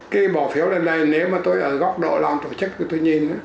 khi bỏ phiếu lên đây nếu mà tôi ở góc độ làm tổ chức thì tôi nhìn